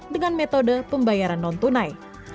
dengan metode pembayaran non tunai